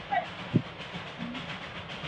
建在日内瓦湖流入罗讷河之处。